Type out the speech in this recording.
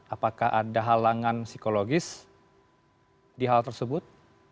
apakah ada halangan psikologis di hal tersebut